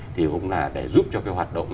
thì cũng là để giúp cho cái hoạt động